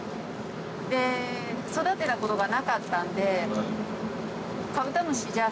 で育てたことがなかったんで。